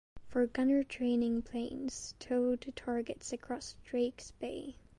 For gunner training planes towed targets across Drakes Bay.